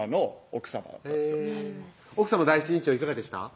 奥さま第一印象いかがでした？